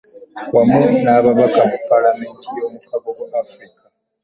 Wamu n'ababaka mu palamenti y'omukago gwa Africa